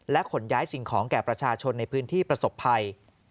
ขนย้ายสิ่งของแก่ประชาชนในพื้นที่ประสบภัย